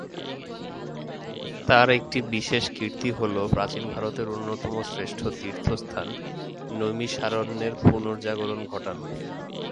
তাঁর একটি বিশেষ কীর্তি হলো প্রাচীন ভারতের অন্যতম শ্রেষ্ঠ তীর্থস্থান নৈমিষারণ্যের পুনর্জাগরণ ঘটানো।